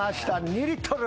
２リットル。